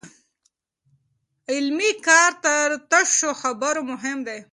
عملي کار تر تشو خبرو مهم دی.